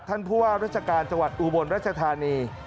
ท่านผู้ว่าราชการจังหวัดอุบลรัชธานี